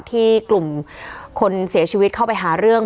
ที่กลุ่มคนเสียชีวิตเข้าไปหาเรื่อง